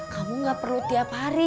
kamu gak perlu tiap hari